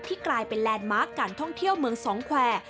กลายเป็นแลนด์มาร์คการท่องเที่ยวเมืองสองแควร์